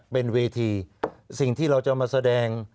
เป็นเวทีสิ่งที่เราจะมาแสดง